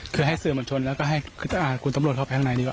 คือให้สื่อมัญชนแล้วก็ให้คือจะอ่าคุณตำรวจเข้าไปข้างในดีกว่า